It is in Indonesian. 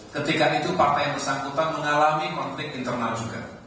ketika itu partai yang bersangkutan mengalami konflik internal juga